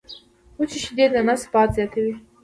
وچي شیدې د نس باد زیاتوي.